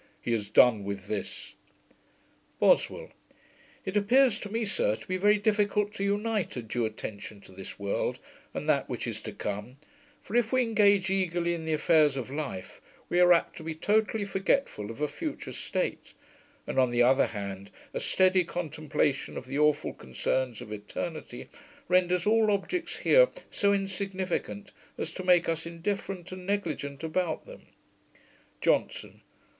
He has done with this.' BOSWELL. 'It appears to me, sir, to be very difficult to unite a due attention to this world, and that which is to come; for, if we engage eagerly in the affairs of life, we are apt to be totally forgetful of a future state; and, on the other hand, a steady contemplation of the awful concerns of eternity renders all objects here so insignificant, as to make us indifferent and negligent about them.' JOHNSON.